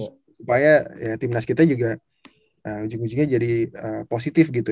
supaya timnas kita juga ujung ujungnya jadi positif gitu